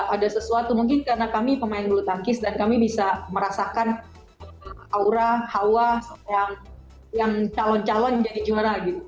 ada sesuatu mungkin karena kami pemain bulu tangkis dan kami bisa merasakan aura hawa yang calon calon jadi juara gitu